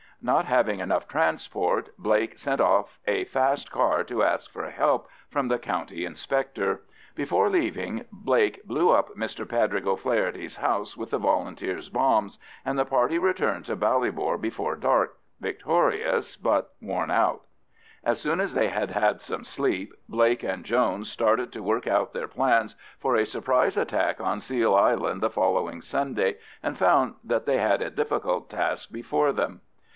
Not having enough transport, Blake sent off a fast car to ask for help from the County Inspector. Before leaving, Blake blew up Mr Padraig O'Faherty's house with the Volunteers' bombs, and the party returned to Ballybor before dark, victorious, but worn out. As soon as they had had some sleep, Blake and Jones started to work out their plans for a surprise attack on Seal Island the following Sunday, and found that they had a difficult task before them.